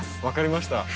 分かりました。